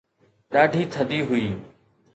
ڏاڍي ٿڌي هئي